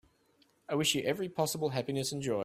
I wish you every possible happiness and joy.